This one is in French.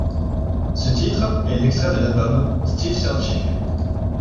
Ce titre est extrait de l'album Still Searching.